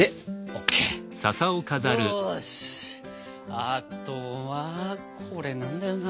あとはこれなんだよな。